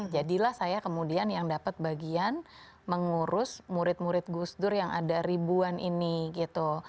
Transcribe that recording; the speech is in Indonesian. jadilah saya kemudian yang dapat bagian mengurus murid murid gus dur yang ada ribuan ini gitu